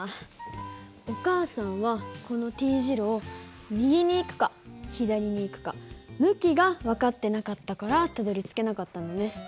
お母さんはこのＴ字路を右に行くか左に行くか向きが分かってなかったからたどりつけなかったんだね。